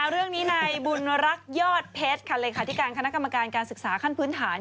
เรื่องนี้ในบุญรักยอดเพชรเลขาธิการคณะกรรมการการศึกษาขั้นพื้นฐาน